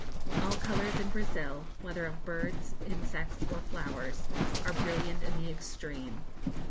All colours in Brazil, whether of birds, insects, or flowers, are brilliant in the extreme.